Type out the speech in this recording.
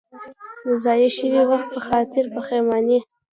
د ضایع شوي وخت په خاطر پښېماني.